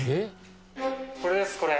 これですこれ。